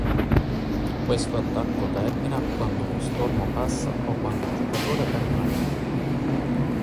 Questo attacco termina quando lo stormo passa o quando il giocatore perde una vita.